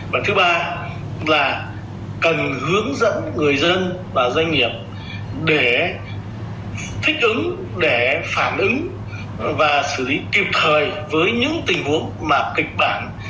và thứ ba là cần hướng dẫn người dân và doanh nghiệp để thích ứng để phản ứng và xử lý kịp thời với những tình huống mà kịch bản